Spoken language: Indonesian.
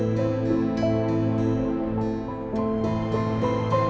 balik dulu ya tante